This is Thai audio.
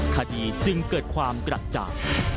คดีจึงเกิดความกระจ่าง